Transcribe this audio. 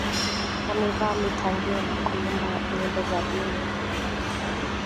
wamevaa mitandio na kuimba nyimbo za dini